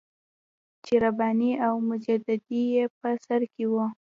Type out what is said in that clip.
چې رباني او مجددي یې په سر کې وو.